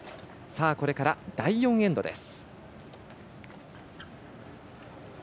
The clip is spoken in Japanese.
これから第４エンドです。